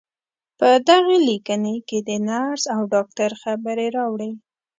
په دغې ليکنې کې د نرس او ډاکټر خبرې راوړې.